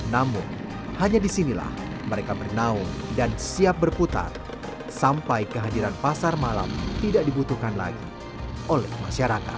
namun hanya disinilah mereka bernaung dan siap berputar sampai kehadiran pasar malam tidak dibutuhkan lagi oleh masyarakat